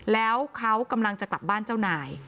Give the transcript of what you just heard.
แล้วเขากำลังจะกลับบ้านเจ้านาย